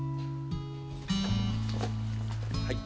はい。